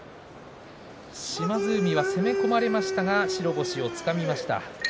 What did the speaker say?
島津海は攻め込まれましたが白星をつかみました。